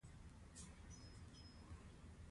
د نباتاتو د ژوند بنسټ د فوتوسنتیز دی